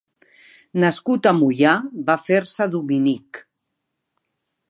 Nascut a Moià, va fer-se dominic.